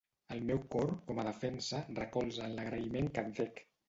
El meu cor, com a defensa, recolza en l'agraïment que et dec.